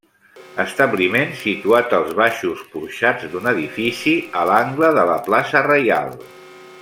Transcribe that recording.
Establiment situat als baixos porxats d'un edifici a l'angle de la plaça Reial.